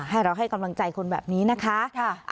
ให้เราให้กำลังใจคนแบบนี้นะคะ